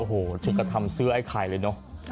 โอ้โหถึงกระทำเสื้อไอ้ไข่เลยเนอะ